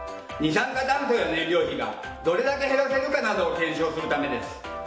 二酸化炭素や燃料費がどれだけ減らせるかなどを検証するためです。